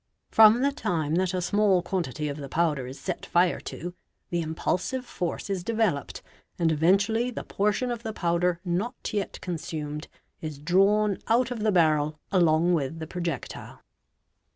From the time that a small : quantity of the powder is set fire to, the impulsive force is developed, and "eventually the portion of the powder not yet consumed is drawn out of j > barrel along with the projectile.